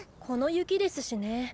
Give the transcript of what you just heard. この雪ですしね。